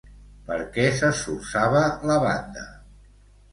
Per què s'esforçava la banda?